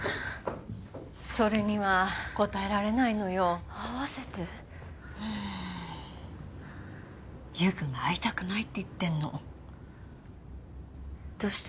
それには答えられないのよ会わせてうん優くんが会いたくないって言ってんのどうして？